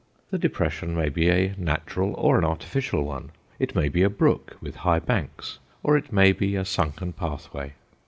The depression may be a natural or an artificial one, it may be a brook with high banks or it may be a sunken pathway.